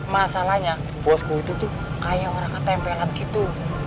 masalahnya bospo itu tuh kayak orang ketempelan gitu